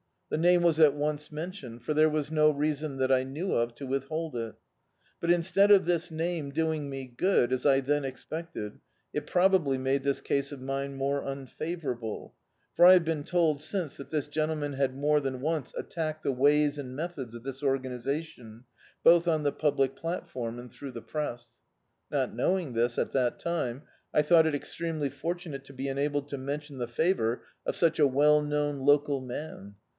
The name was at once Dictzed by Google At Last mentioned, for there was no reason that I knew of, to withhold 11 But instead of this name doing me good, as I then expected, it probably made this case of mine more unfavorable; for I have been told since that this gentleman had more than once at tacked the ways and methods of this Organisation, both on the public f^atform and through the press. Not knowing this, at that time, I thought it ex tremely fortunate to be enabled to mention the fa vour of such a well known local man.